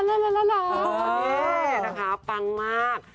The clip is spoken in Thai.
นี่นะคะปังมาก